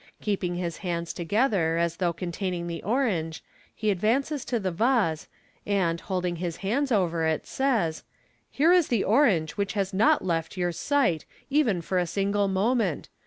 Keep ing his hands together, as though containing the orange, he advance* MODERN MAGIC. 341 to the rase, and holding his hands over it, says, " Here is the orange which has not left your sight even for a single moment.